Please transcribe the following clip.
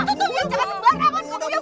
itu dia buang sampah di depan rumah orang